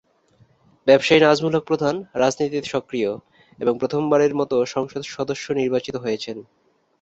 ব্যবসায়ী নাজমুল হক প্রধান রাজনীতিতে সক্রিয় এবং প্রথমবারের মতো সংসদ সদস্য নির্বাচিত হয়েছেন।